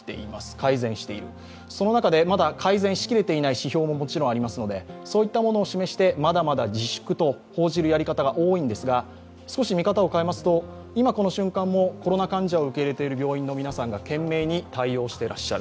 改善している中でも、まだ改善できていない指標ももちろんありますので、そういったものを示してまだまだ自粛と報じるやり方が多いんですが、少し見方を変えますと今この瞬間もコロナ患者を受け入れている病院の皆さんが懸命に対応してらっしゃる。